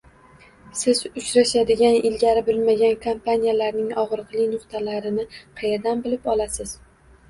— Siz uchrashadigan, ilgari bilmagan kompaniyalarning ogʻriqli nuqtalarini qayerdan bilib olasiz?